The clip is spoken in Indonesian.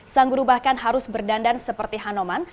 sang guru bahkan harus berdandan seperti hanoman